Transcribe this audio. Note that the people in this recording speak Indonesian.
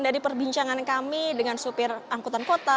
dari perbincangan kami dengan supir angkutan kota